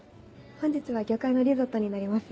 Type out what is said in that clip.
本日は魚介のリゾットになります。